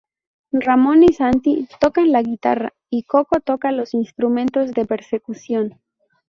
Ramón y Santi tocan la guitarra y Coco toca los instrumentos de percusión.